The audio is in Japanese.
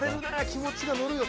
「気持ちがのるよ」